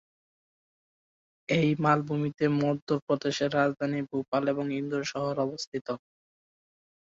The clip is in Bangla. এই মালভূমিতে মধ্য প্রদেশের রাজধানী ভোপাল এবং ইন্দোর শহর অবস্থিত।